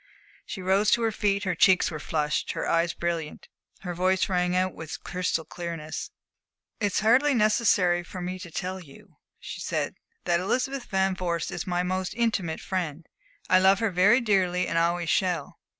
She rose to her feet, her cheeks were flushed, her eyes brilliant, her voice rang out with crystal clearness. "It's hardly necessary for me to tell you," she said, "that Elizabeth Van Vorst is my most intimate friend. I love her very dearly and always shall.